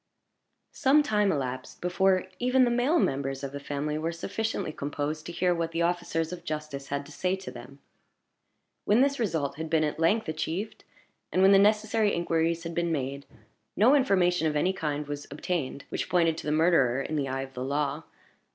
Some time elapsed before even the male members of the family were sufficiently composed to hear what the officers of justice had to say to them. When this result had been at length achieved, and when the necessary inquiries had been made, no information of any kind was obtained which pointed to the murderer, in the eye of the law.